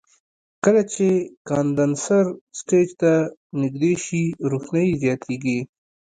کله چې کاندنسر سټیج ته نږدې شي روښنایي یې زیاتیږي.